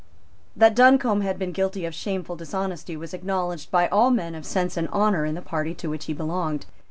That Duncombe had been guilty of shameful dishonesty was acknowledged by all men of sense and honour in the party to which he belonged.